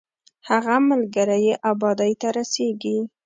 هغه ملګری یې ابادۍ ته رسېږي.